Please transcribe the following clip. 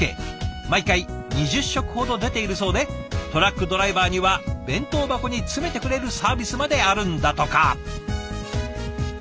毎回２０食ほど出ているそうでトラックドライバーには弁当箱に詰めてくれるサービスまであるんだとか。